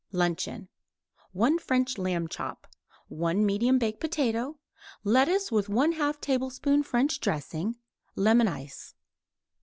LUNCHEON 1 French lamb chop; 1 medium baked potato; lettuce with 1/2 tablespoon French dressing; lemon ice.